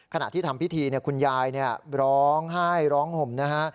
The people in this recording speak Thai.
ขณะที่ทำพิธีเนี่ยคุณยายเนี่ยร้องไห้ร้องห่มนะฮะ